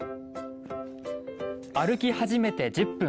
歩き始めて１０分。